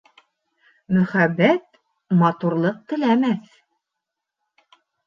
Мөхәббәт матурлыҡ теләмәҫ.